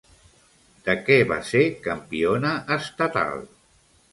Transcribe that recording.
De què va ser campiona estatal?